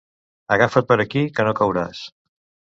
Agafa't per aquí, que no cauràs.